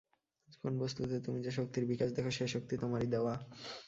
কোন বস্তুতে তুমি যে শক্তির বিকাশ দেখ, সে শক্তি তোমারই দেওয়া।